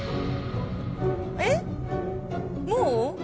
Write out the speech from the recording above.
えっもう？